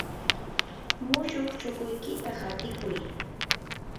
mushuq chukuykita hatikuy.